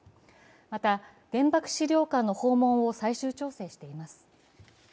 また、原爆資料館の訪問を最終調整しています。